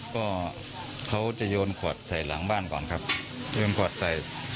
ก็เขาจะโยนขวดใส่หลังบ้านก่อนครับโยนขวดใส่